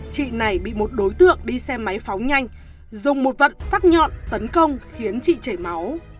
chị này bị một đối tượng đi xe máy phóng nhanh dùng một vật sắt nhọn tấn công khiến chị chảy máu